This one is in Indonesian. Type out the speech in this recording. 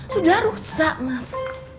sudah rusak mas